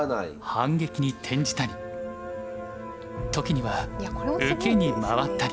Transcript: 反撃に転じたり時には受けに回ったり。